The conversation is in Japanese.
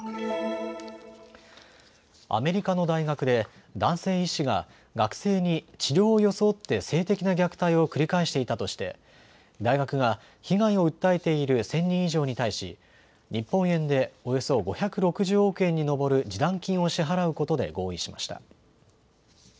アメリカの大学で男性医師が学生に治療を装って性的な虐待を繰り返していたとして大学が被害を訴えている１０００人以上に対し日本円でおよそ５６０億円に上る示談金を支払うことで合意しました。